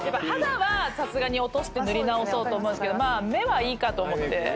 ⁉肌はさすがに落として塗り直そうと思うんですけど目はいいかと思って。